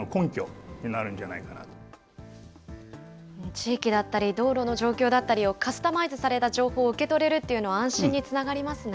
地域だったり道路の状況だったりをカスタマイズされた情報を受け取れるっていうのは安心につながりますね。